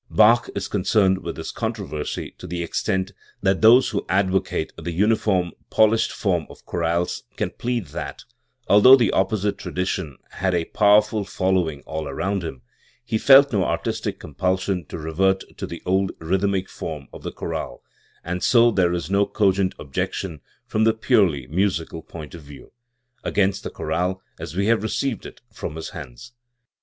Bach is concerned in this controversy to the extent that those who advocate the uniform polished form of chorales can plead that, although the opposite tradition had a powerful following all round him, he felt no artistic com pulsion to revert to the old rhythmic form of the chorale, and so there is no cogent objection, from the purely musical point of view, against the chorale as we have received it from his hands.